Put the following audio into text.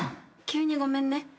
急にごめんね。